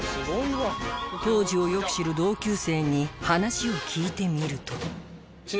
当時をよく知る同級生に話を聞いてみると。